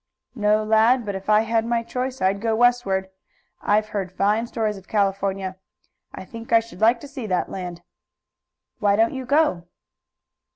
"No, lad, but if I had my choice I'd go westward. I've heard fine stories of California. I think I should like to see that land." "Why don't you go?"